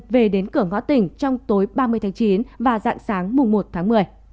về đến cửa ngõ tỉnh trong tối ba mươi tháng chín và dạng sáng mùng một tháng một mươi